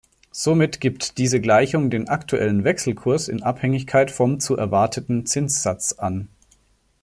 Somit gibt diese Gleichung den aktuellen Wechselkurs in Abhängigkeit vom zu erwarteten Zinssatz an.